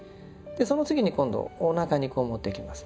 その時に今度おなかにこう持っていきます。